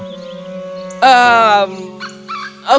dia itu memang sangat konyol